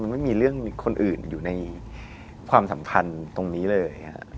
ไม่มีเรื่องมีคนอื่นอยู่ในความสัมพันธ์ตรงนี้เลย